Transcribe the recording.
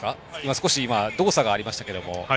少し今、動作がありましたけれど。